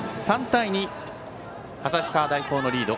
３対２、旭川大高のリード